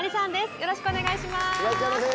よろしくお願いします。